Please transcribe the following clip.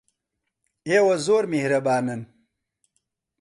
ئێوە زۆر میهرەبانن.